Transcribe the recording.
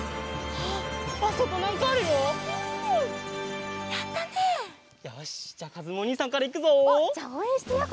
おっじゃあおうえんしてよう